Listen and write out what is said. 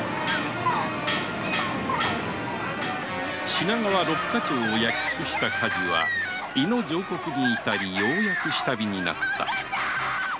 品川六か町を焼き尽くした火事は亥の上刻に至りようやく下火になった。